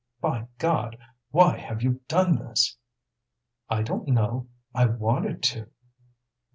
"By God! why have you done this?" "I don't know; I wanted to."